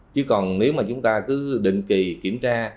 chứ còn nếu mà chúng ta cứ định kỳ kiểm tra